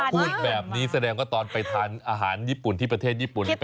พูดแบบนี้แสดงว่าตอนไปทานอาหารญี่ปุ่นที่ประเทศญี่ปุ่น